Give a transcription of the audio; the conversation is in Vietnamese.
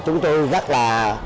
chúng tôi rất là